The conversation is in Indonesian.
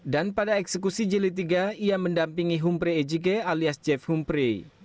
dan pada eksekusi jeli tiga ia mendampingi humpre ejige alias jeff humpre